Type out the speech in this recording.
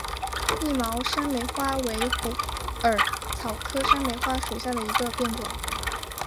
密毛山梅花为虎耳草科山梅花属下的一个变种。